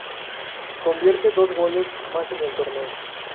Convierte dos goles más en el torneo.